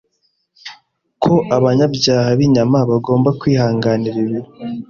Ko abanyabyaha b'inyama bagomba kwihanganira ibi